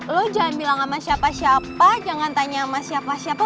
lo jangan bilang sama siapa siapa jangan tanya sama siapa siapa